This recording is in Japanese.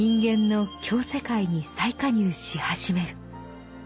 世界に再加入し始める。